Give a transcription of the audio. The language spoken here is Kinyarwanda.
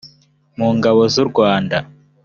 mu ngabo z u rwanda